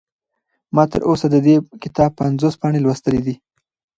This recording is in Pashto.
ما تر اوسه د دې کتاب پنځوس پاڼې لوستلي دي.